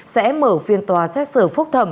sẽ mở phiên tòa xét xử phúc thẩm